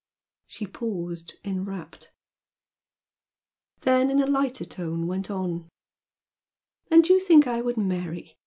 She paused, enrapt; then in a lighter tone went on "And you think I would marry?